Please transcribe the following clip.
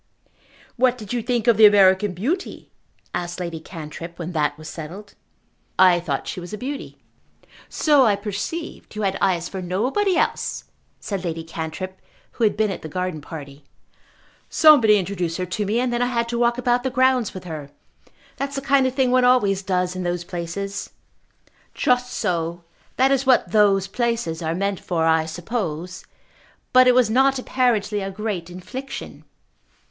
"What did you think of the American beauty?" asked Lady Cantrip when that was settled. "I thought she was a beauty." "So I perceived. You had eyes for nobody else," said Lady Cantrip, who had been at the garden party. "Somebody introduced her to me, and then I had to walk about the grounds with her. That's the kind of thing one always does in those places." "Just so. That is what 'those places' are meant for, I suppose. But it was not apparently a great infliction."